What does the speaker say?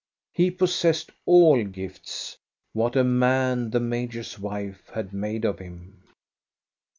He possessed all gifts. What a man the major's wife had made of him